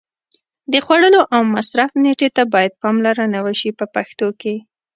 د خوړلو او مصرف نېټې ته باید پاملرنه وشي په پښتو کې.